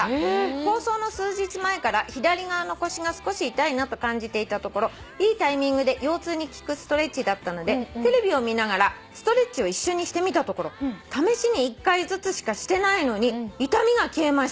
「放送の数日前から左側の腰が少し痛いなと感じていたところいいタイミングで腰痛に効くストレッチだったのでテレビを見ながらストレッチを一緒にしてみたところ試しに１回ずつしかしてないのに痛みが消えました」